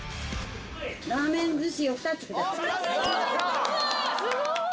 ラーメン寿司を２つください。